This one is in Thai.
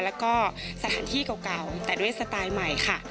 แล้วก็สถานที่เก่าแต่ด้วยสไตล์ใหม่ค่ะ